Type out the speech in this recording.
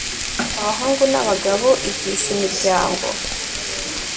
abahungu n'abagabo? igisha imiryango